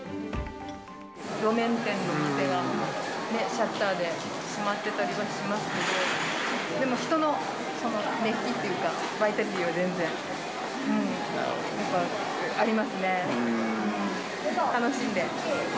路面店のお店が、シャッターで閉まってたりはしますけど、でも人の熱気っていうか、バイタリティーは全然、やっぱありますね。